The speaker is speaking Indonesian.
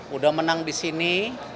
sudah menang disini